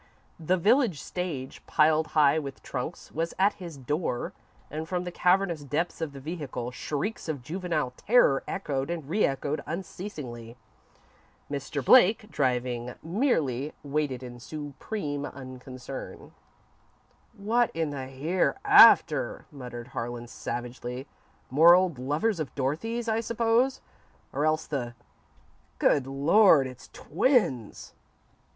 The village stage, piled high with trunks, was at his door, and from the cavernous depths of the vehicle, shrieks of juvenile terror echoed and re echoed unceasingly. Mr. Blake, driving, merely waited in supreme unconcern. "What in the hereafter," muttered Harlan, savagely. "More old lovers of Dorothy's, I suppose, or else the Good Lord, it's twins!"